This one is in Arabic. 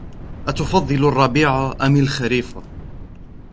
أتفضل الربيع أم الخريف ؟